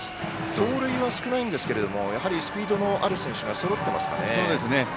盗塁は少ないんですけどやはりスピードのある選手がそろっていますね。